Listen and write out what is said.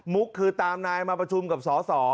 คือตามนายมาประชุมกับสอสอ